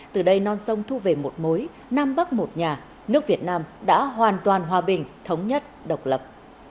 từ đây non sông thu về một mối nam bắc một nhà nước việt nam đã hoàn toàn hòa bình thống nhất độc lập